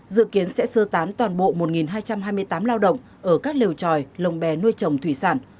dự kiến sẽ sơ tán toàn bộ một hai trăm hai mươi tám lao động ở các lều tròi lồng bè nuôi trồng thủy sản